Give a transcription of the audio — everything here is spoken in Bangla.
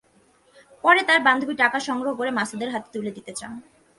পরে তাঁর বান্ধবী টাকা সংগ্রহ করে মাসুদের হাতে তুলে দিতে চান।